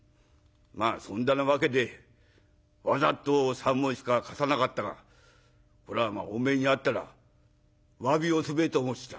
まあそんだなわけでわざと３文しか貸さなかったがこれはまあおめえに会ったらわびをすべえと思ってた。